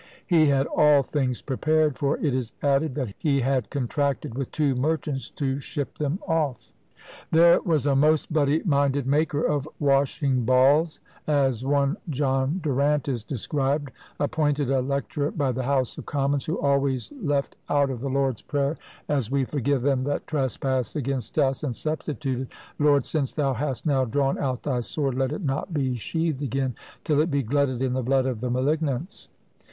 He had all things prepared; for it is added that he had contracted with two merchants to ship them off. There was a most bloody minded "maker of washing balls," as one John Durant is described, appointed a lecturer by the House of Commons, who always left out of the Lord's Prayer, "As we forgive them that trespass against us," and substituted, "Lord, since thou hast now drawn out thy sword, let it not be sheathed again till it be glutted in the blood of the malignants."